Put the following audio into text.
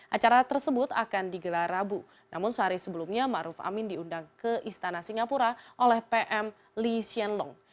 acara tersebut akan digelar rabu namun sehari sebelumnya ma'ruf amin diundang ke istana singapura oleh pm lee hsien loong